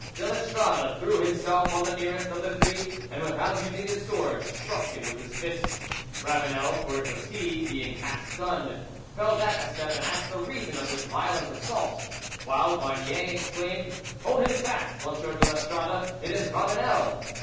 De l'Estrade threw himself on the nearest of the three, and, without using his sword, struck him with his fist. Ravanel (for it was he) being half stunned, fell back a step and asked the reason of this violent assault; while Barnier exclaimed, "Hold him fast, M. de l'Estrade; it is Ravanel!"